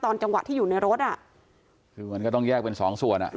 จังหวะที่อยู่ในรถอ่ะคือมันก็ต้องแยกเป็นสองส่วนอ่ะ